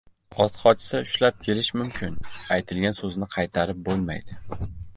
• Ot qochsa ushlab kelish mumkin, aytilgan so‘zni qaytarib bo‘lmaydi.